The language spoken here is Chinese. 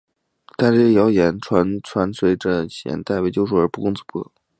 但这些谣传随着华年达被救出而不攻自破。